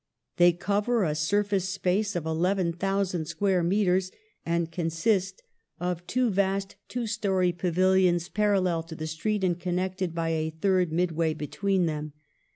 They cover a surface space of eleven thousand square metres, and consist of two vast 184 PASTEUR two story pavillions, parallel to the street, and connected by a third midway between them.